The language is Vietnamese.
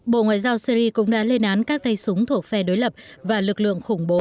bộ ngoại giao syri cũng đã lên án các tay súng thuộc phe đối lập và lực lượng khủng bố